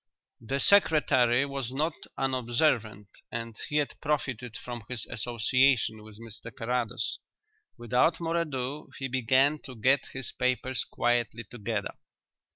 The secretary was not unobservant and he had profited from his association with Mr Carrados. Without more ado, he began to get his papers quietly together.